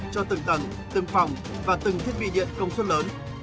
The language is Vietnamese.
cho từng tầng từng phòng và từng thiết bị điện công suất lớn